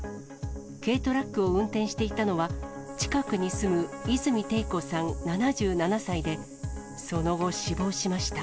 軽トラックを運転していたのは、近くに住む泉テイ子さん７７歳で、その後死亡しました。